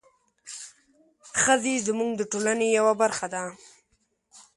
ښځې زموږ د ټولنې یوه برخه ده.